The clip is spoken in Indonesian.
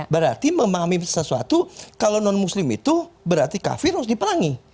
berarti memahami sesuatu kalau non muslim itu berarti kafir harus diperangi